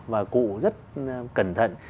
và cụ rất cẩn thận